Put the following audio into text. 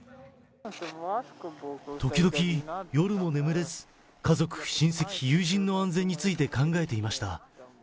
時々、夜も眠れず、家族、親戚、友人の安全について考えていました。